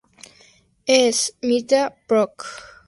S. Mitra, Proc.